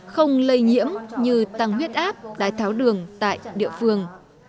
không lây nhiễm như tăng huyết áp đái tháo đường tại địa phương